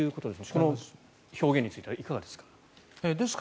この表現についてはいかがですか？